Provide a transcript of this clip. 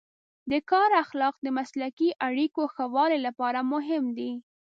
د کار اخلاق د مسلکي اړیکو ښه والي لپاره مهم دی.